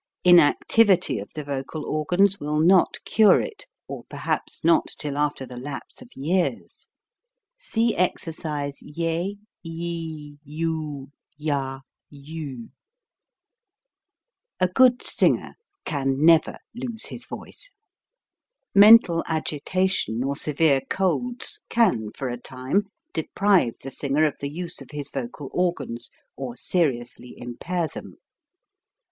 Inactivity of the vocal organs will not cure it, or perhaps not till after the lapse of years. (See exercise yd, ye, yod, yah, yu.) A good singer can never lose his voice. Men tal agitation or severe colds can for a time deprive the singer of the use of his vocal or gans, or seriously impair them.